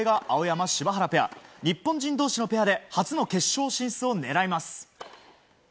日本人同士のペアで初の決勝進出を狙います。